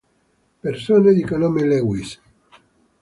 Persone di cognome Lewis